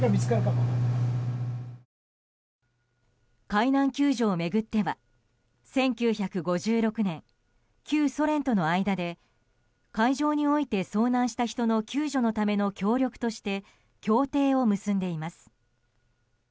海難救助を巡っては１９５６年、旧ソ連との間で海上において遭難した人の救助のための協力として協定を結んでいます。